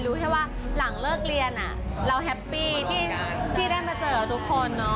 รู้แค่ว่าหลังเลิกเรียนเราแฮปปี้ที่ได้มาเจอทุกคน